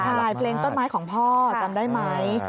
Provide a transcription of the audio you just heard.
ใช่เพลงต้นไม้ของพ่อจำได้ไหม